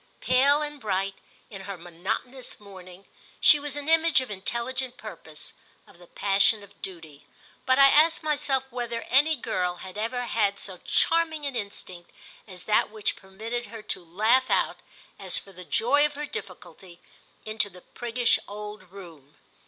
Pale and bright, in her monotonous mourning, she was an image of intelligent purpose, of the passion of duty; but I asked myself whether any girl had ever had so charming an instinct as that which permitted her to laugh out, as for the joy of her difficulty, into the priggish old room.